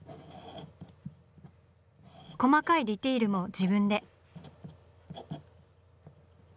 細かいディテールも自分で。